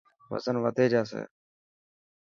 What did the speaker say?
وزن وڌي جاسي.